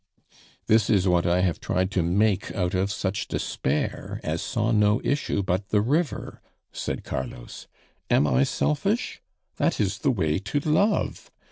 "This is what I have tried to make out of such despair as saw no issue but the river," said Carlos. "Am I selfish? That is the way to love!